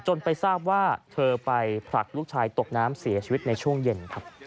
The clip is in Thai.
ไปทราบว่าเธอไปผลักลูกชายตกน้ำเสียชีวิตในช่วงเย็นครับ